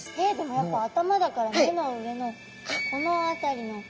やっぱ頭だから目の上のこの辺りのこの辺！